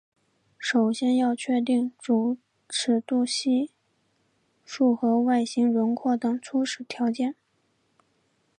首先要确定主尺度系数和外形轮廓等初始条件。